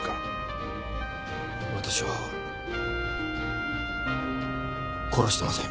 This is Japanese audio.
私は殺してません。